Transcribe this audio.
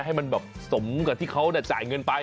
ให้มันแบบสมกับที่เขาจ่ายเงินไป